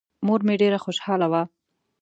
مور مې ډېره خوشحاله وه.